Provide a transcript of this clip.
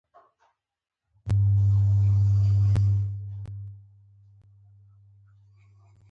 يوه مدرسه جوړه کړه